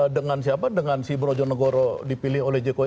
dengan siapa dengan si brojonegorok dipilih oleh jekowi